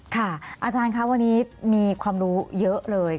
อาจารย์คะวันนี้มีความรู้เยอะเลย